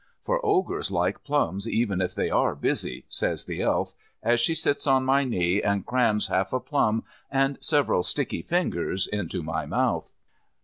"For Ogres like plums even if they are busy," says the Elf, as she sits on my knee and crams half a plum and several sticky fingers into my mouth.